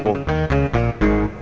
itu kamu liat tuh